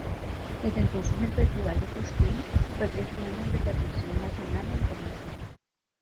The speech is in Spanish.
Desde entonces el Festival de Cosquín fue creciendo en repercusión nacional e internacional.